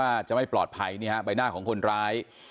ว่าจะไม่ปลอดภัยใบหน้าของคนร้าย